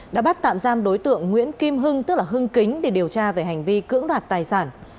đã bắt tạm giam đối tượng nguyễn kim hưng tức là hưng kính để điều tra về hành vi cưỡng đoạt tài sản